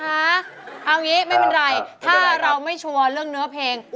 เอาอย่างนี้ไม่เป็นไรถ้าเราไม่ชัวร์เรื่องเนื้อเพลงน่าเป็นอะไรค่ะ